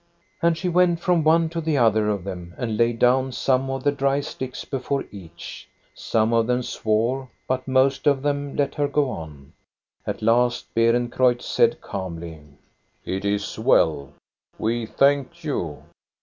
" And she went from one to the other of them, and laid down some of the dry sticks before each. Some of them swore, but most of them let her go on. At last Beerencreutz said, calmly: —"* It is well. We thank you.